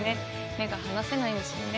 目が離せないんですよね。